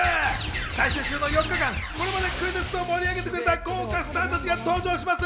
最終週の４日間、これまでクイズッスを盛り上げてくれた豪華スターたちが登場します。